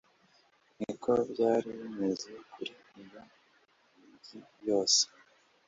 ni ko byari bimeze kuri iyo migi yose